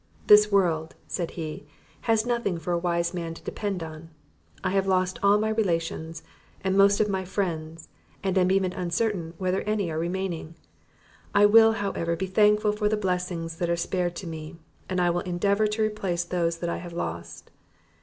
"This world," said he, "has nothing for a wise man to depend upon. I have lost all my relations, and most of my friends; and am even uncertain whether any are remaining. I will, however, be thankful for the blessings that are spared to me; and I will endeavour to replace those that I have lost.